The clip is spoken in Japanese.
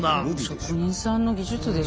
職人さんの技術でしょ。